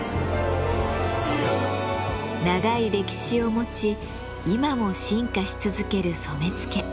長い歴史を持ち今も進化し続ける染付。